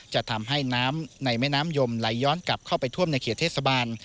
จะทำให้น้ำในแม่น้ำยมไหลย้อนกลับเข้าไปท่วมในเขตเทศบาล